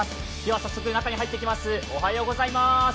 早速、中に入っていきます。